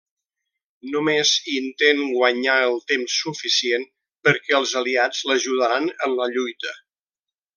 Només intent guanyar el temps suficient perquè els aliats l'ajudaran en la lluita.